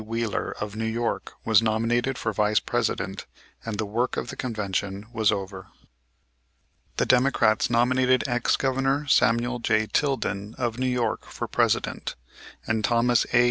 Wheeler, of New York, was nominated for Vice President and the work of the Convention was over. The Democrats nominated ex Governor Samuel J. Tilden, of New York, for President, and Thomas A.